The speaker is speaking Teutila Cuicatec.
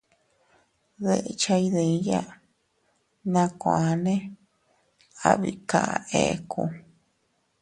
Deche iydiya, nakuane abika ekku.